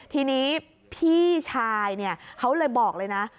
ทีนี้พี่ชายเนี่ยเขาเลยบอกเลยนะ